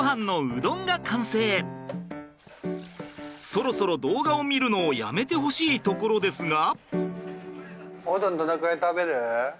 そろそろ動画を見るのをやめてほしいところですが。